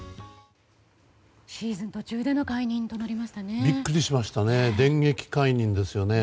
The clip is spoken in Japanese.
シーズン途中での解任となりましたね。